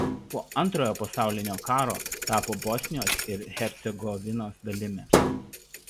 Po Antrojo pasaulinio karo tapo Bosnijos ir Hercegovinos dalimi.